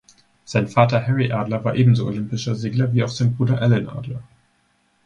Sein Vater Harry Adler war ebenso olympischer Segler wie auch sein Bruder Alan Adler.